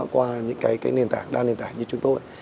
qua những cái nền tảng đa nền tảng như chúng tôi